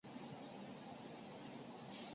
该宣言是首部俄罗斯宪法的前身。